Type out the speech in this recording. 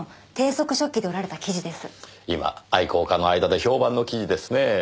今愛好家の間で評判の生地ですねえ。